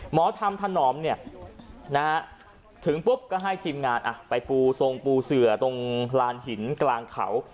หมอธรรมถนอมถึงปุ๊บก็ให้ทีมงานไปปูทรงปูเสือตรงลานหินกลางเขา